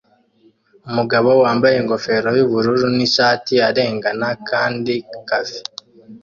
Umugabo wambaye ingofero yubururu nishati arengana Candy Cafe